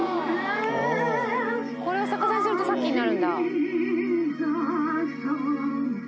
これを逆さにするとさっきのになるんだ。